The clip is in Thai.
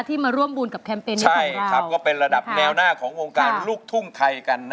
มาร่วมบุญกับแคมเปญนี้ใช่ครับก็เป็นระดับแนวหน้าของวงการลูกทุ่งไทยกันนะ